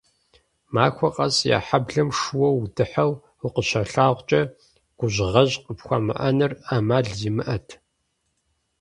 Махуэ къэс я хьэблэм шууэ удыхьэу укъыщалъагъукӀэ, гужьгъэжь къыпхуамыӀэныр Ӏэмал зимыӀэт.